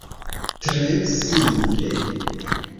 Tre simple.